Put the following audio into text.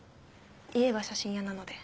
家が写真屋なので。